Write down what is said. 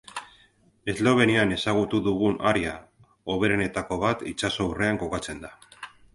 Eslovenian ezagutu dugun area hoberenetako bat itsaso aurrean kokatzen da.